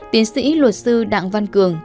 tiến sĩ luật sư đặng văn cường